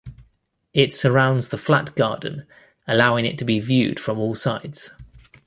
It surrounds the flat garden, allowing it to be viewed from all sides.